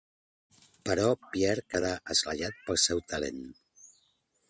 Però, Pierre queda esglaiat pel seu talent.